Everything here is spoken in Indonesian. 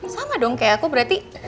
sama dong kayak aku berarti